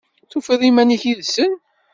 Tufiḍ iman-ik yid-sen?